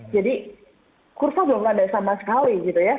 jadi kurva belum ada sama sekali gitu ya